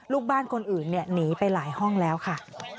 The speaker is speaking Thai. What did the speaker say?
ลูกบ้านคนอื่นหนีไปหลายห้องแล้วค่ะ